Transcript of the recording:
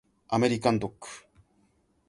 アメリカンドッグ